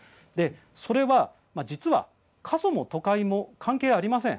それは実は過疎も都会も関係ありません。